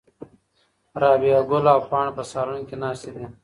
رابعه ګل او پاڼه په صالون کې ناستې دي.